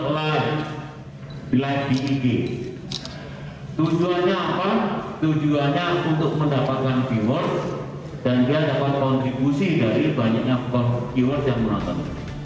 dan dia dapat kontribusi dari banyaknya viewers yang menonton